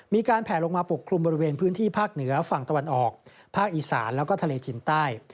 มีการแผลลงมาปกคลุมบริเวณพื้นที่ภาคเหนือฝั่งตะวันออกภาคอีสานแล้วก็ทะเลจินใต้